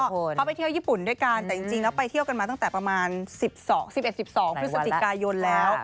เขาไปเที่ยวญี่ปุ่นด้วยกันแต่จริงแล้วไปเที่ยวกันมาตั้งแต่ประมาณ๑๑๑๒พฤศจิกายนแล้ว